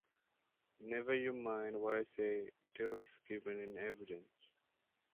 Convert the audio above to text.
Never you mind what I say till it's given in evidence.